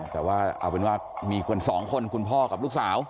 แต่ว่าเอาเป็นว่ามีคนสองคนคุณพ่อกับลูกสาว